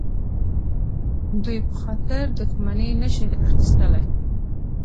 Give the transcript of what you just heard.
دوی په خاطر دښمني نه شي اخیستلای.